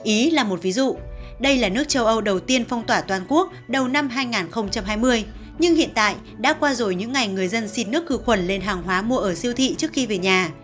đồng ý là một ví dụ đây là nước châu âu đầu tiên phong tỏa toàn quốc đầu năm hai nghìn hai mươi nhưng hiện tại đã qua rồi những ngày người dân xin nước khử khuẩn lên hàng hóa mua ở siêu thị trước khi về nhà